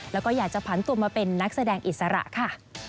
แล้วก็อยากจะผันตัวมาเป็นนักแสดงอิสระค่ะ